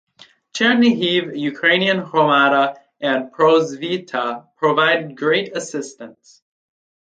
Chernihiv Ukrainian Hromada and Prosvita provided great assistance.